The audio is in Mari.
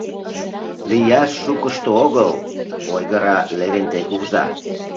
— Лияш шукышто огыл, — ойгыра Левентей кува.